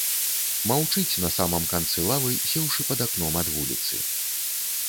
Маўчыць на самым канцы лавы, сеўшы пад акном ад вуліцы.